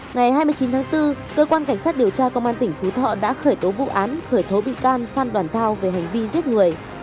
ngày hai mươi chín tháng bốn cơ quan cảnh sát điều tra công an tỉnh phú thọ đã khởi tố vụ án khởi tố bị can phan đoàn thao về hành vi giết người